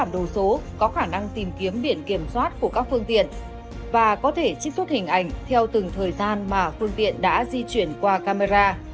đồ số có khả năng tìm kiếm biển kiểm soát của các phương tiện và có thể trích xuất hình ảnh theo từng thời gian mà phương tiện đã di chuyển qua camera